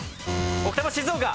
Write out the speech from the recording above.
奥多摩静岡！